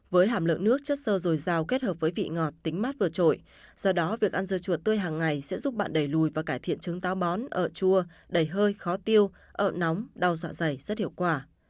với hàm lượng nước chất sơ rồi rào kết hợp với vị ngọt tính mát vừa trội do đó việc ăn dưa chuột tươi hàng ngày sẽ giúp bạn đầy lùi và cải thiện chứng táo bón ợ chua đầy hơi khó tiêu ợ nóng đau dọa dày rất hiệu quả